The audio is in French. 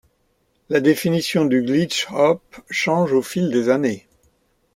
La définition du glitch-hop change au fil des années.